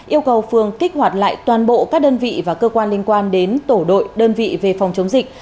yêu cầu phường kích hoạt lại toàn bộ các đơn vị và cơ quan liên quan đến tổ đội đơn vị về phòng chống dịch